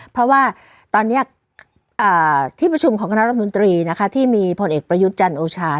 เพราะว่าตอนนี้ที่ประชุมของคณะรัฐมนตรีนะคะที่มีผลเอกประยุทธ์จันทร์โอชา